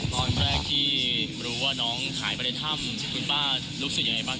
ตอนแรกที่รู้ว่าน้องหายไปในถ้ำคุณป้ารู้สึกยังไงบ้าง